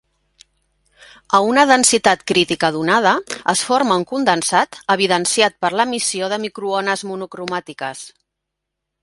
A una densitat crítica donada, es forma un condensat, evidenciat per l'emissió de microones monocromàtiques.